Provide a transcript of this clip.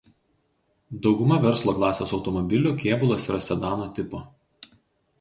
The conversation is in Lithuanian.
Dauguma verslo klasės automobilių kėbulas yra sedano tipo.